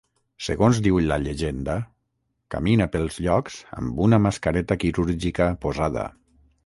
Segons diu la llegenda, camina pels llocs amb una mascareta quirúrgica posada.